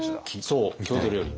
そう郷土料理。